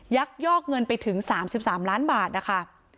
ยักยอกเงินไปถึง๓๓ล้านบาทนะคะ